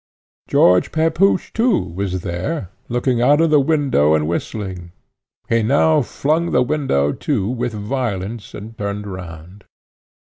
George Pepusch, too, was there, looking out of the window and whistling. He now flung the window to with violence, and turned round.